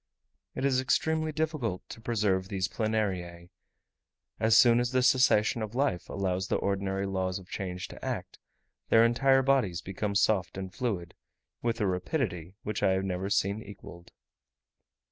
It is extremely difficult to preserve these Planariae; as soon as the cessation of life allows the ordinary laws of change to act, their entire bodies become soft and fluid, with a rapidity which I have never seen equalled.